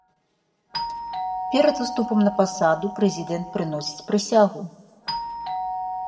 Перад уступам на пасада прэзідэнт прыносіць прысягу.